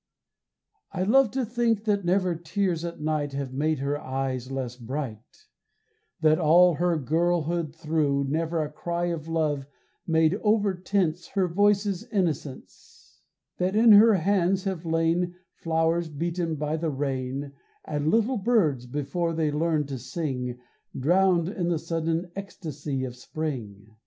I love to think that never tears at night Have made her eyes less bright; That all her girlhood thru Never a cry of love made over tense Her voice's innocence; That in her hands have lain, Flowers beaten by the rain, And little birds before they learned to sing Drowned in the sudden ecstasy of spring.